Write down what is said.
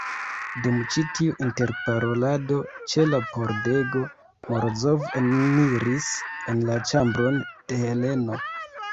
Dum ĉi tiu interparolado ĉe la pordego, Morozov eniris en la ĉambron de Heleno.